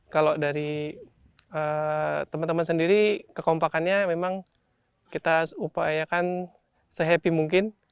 kalau dari teman teman sendiri kekompakannya memang kita upayakan se happy mungkin